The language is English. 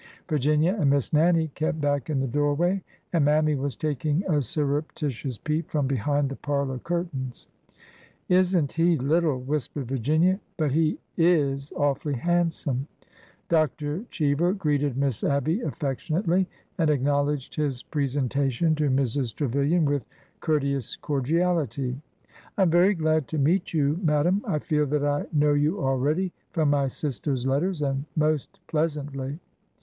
Virginia and Miss Nannie kept back in the doorway, and Mammy was taking a surreptitious peep from behind the parlor cur tains. '' Is n't he little !" whispered Virginia. But he is awfully handsome." Dr. Cheever greeted Miss Abby affectionately, and ac knowledged his presentation to Mrs. Trevilian with cour teous cordiality. I am very glad to meet you, madam. I feel that I know you already from my sister's letters, and most pleas antly."